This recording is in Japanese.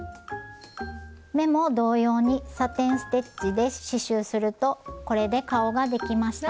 目も同様にサテン・ステッチで刺しゅうするとこれで顔ができました。